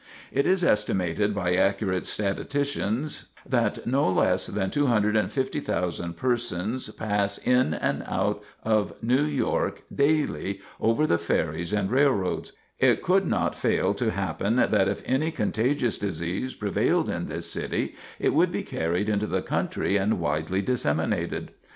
It is estimated by accurate statisticians that no less than 250,000 persons pass in and out of New York daily over the ferries and railroads. It could not fail to happen that if any contagious disease prevailed in this city, it would be carried into the country and widely disseminated.